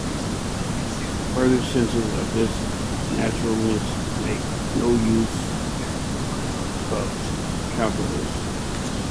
Further senses of this naturalness make no use of calculus.